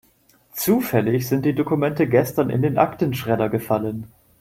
Zufällig sind die Dokumente gestern in den Aktenschredder gefallen.